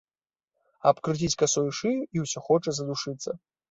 Абкруціць касою шыю і ўсё хоча задушыцца.